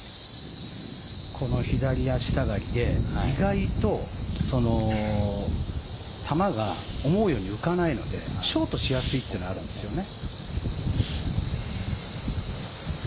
左足下がりで、意外と球が思うように浮かないのでショートしやすいっていうのはあるんですよね。